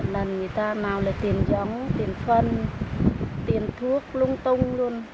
người ta nào lấy tiền giống tiền phân tiền thuốc lung tung luôn